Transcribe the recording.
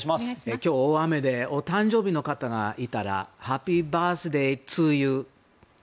今日、大雨でお誕生日の方がいたらハッピーバースデーツーユー。